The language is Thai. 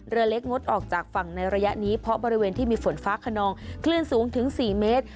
เรือเล็กงดออกจากฝั่งในระยะนี้เพราะบริเวณที่มีฝนฟ้าขนองคลื่นสูงถึง๔เมตร